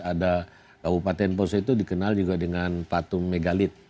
ada kabupaten poso itu dikenal juga dengan patung megalit